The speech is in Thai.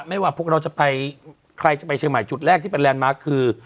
ว่าพวกเราจะไปใครจะไปเชียงใหม่จุดแรกที่เป็นแลนดมาร์คคือ